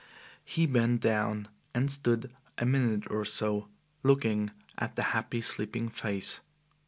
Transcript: He bent down and stood a minute or so looking at the happy, sleeping face.